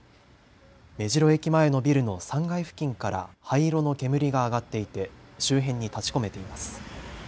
目白駅前のビルの３階付近から灰色の煙が上がっていて周辺に立ちこめています。